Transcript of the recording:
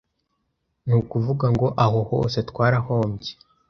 nukuvuga ngo aho hose twarahombye.